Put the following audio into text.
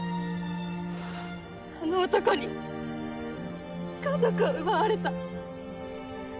あの男に家族を奪われた。